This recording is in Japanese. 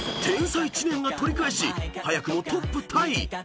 ［天才知念が取り返し早くもトップタイ］